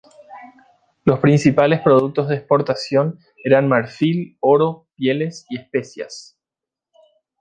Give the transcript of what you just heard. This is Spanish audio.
Los principales productos de exportación eran marfil, oro, pieles y especias.